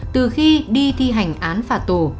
từ khi đi thi hành án phạt tù